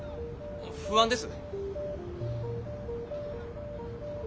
不安です。